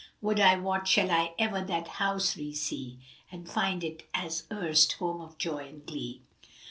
Would I wot shall I ever that house resee * And find it, as erst, home of joy and glee!"